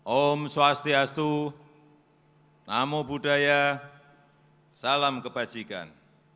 om swastiastu namo buddhaya salam kebajikan